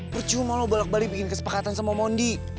percuma lo balik balik bikin kesepakatan sama mundi